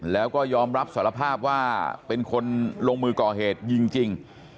แล้วก็ยอมรับสารภาพว่าเป็นคนลงมือก่อเหตุยิงจริง